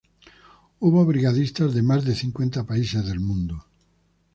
Hubo brigadistas de más de cincuenta países del mundo.